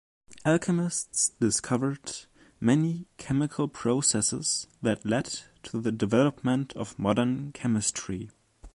Alchemists discovered many chemical processes that led to the development of modern chemistry.